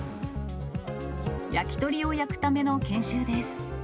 焼き鳥を焼くための研修です。